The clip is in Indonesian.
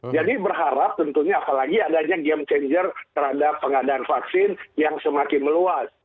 jadi berharap tentunya apalagi adanya game changer terhadap pengadaan vaksin yang semakin meluas